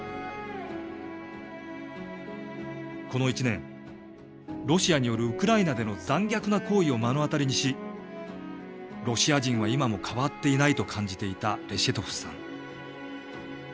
この１年、ロシアによるウクライナでの残虐な行為を目の当たりにしロシア人は今も変わっていないと感じていたレシェトフスさん。